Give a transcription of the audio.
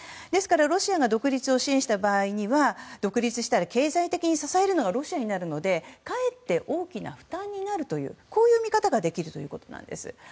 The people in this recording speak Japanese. ですからロシアが独立を支援した場合には独立したら経済的に支えるのがロシアになるのでかえって大きな負担になるという見方ができるということです。